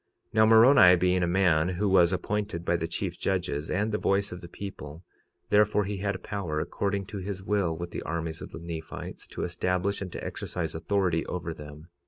46:34 Now, Moroni being a man who was appointed by the chief judges and the voice of the people, therefore he had power according to his will with the armies of the Nephites, to establish and to exercise authority over them.